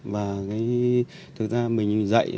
và thực ra mình dạy